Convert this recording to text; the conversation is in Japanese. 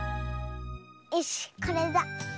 よしこれだ。